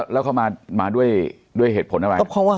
แล้วเขามาด้วยเหตุผลอะไร